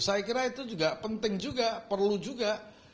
saya kira itu juga penting juga perlu juga